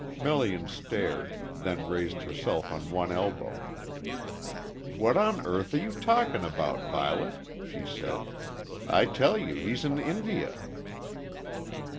Melian stared, then raised herself on one elbow. "What on earth are you talking about, Violet?" she said. "I tell you he's in India."